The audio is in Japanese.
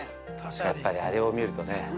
◆やっぱり、あれを見るとね。